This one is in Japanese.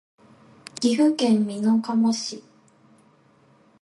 岐阜県美濃加茂市